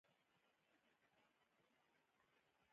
زه خپله ژبه په مايکروسافټ کمپنۍ ته رسول غواړم